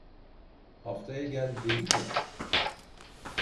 Haftaya gel, dedik ya…